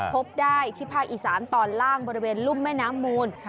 พบได้ที่ภาคอีสานตอนล่างบริเวณรุ่มแม่น้ำมูล